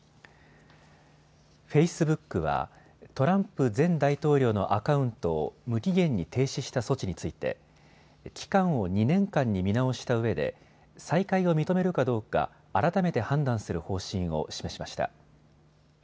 フェイスブックはトランプ前大統領のアカウントを無期限に停止した措置について期間を２年間に見直したうえで再開を認めるかどうか改めて判断する方針を示しました。